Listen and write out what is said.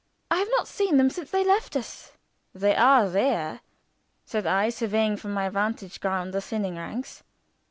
"I have not seen them since they left us." "They are there," said I, surveying from my vantage ground the thinning ranks.